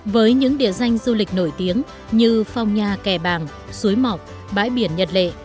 với những địa danh du lịch nổi tiếng như phong nha kẻ bàng suối mọc bãi biển nhật lệ